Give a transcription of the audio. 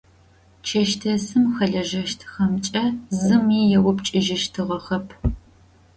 Чэщдэсым хэлэжьэщтхэмкӏэ зыми еупчӏыжьыщтыгъэхэп.